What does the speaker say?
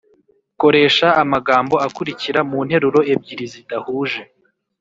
koresha amagambo akurikira mu nteruro ebyiri zidahuje